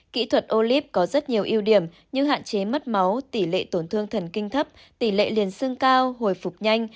kỹ thuật ô líp có rất nhiều yêu điểm như hạn chế mất máu tỷ lệ tổn thương thần kinh thấp tỷ lệ liền xương cao hồi phục nhanh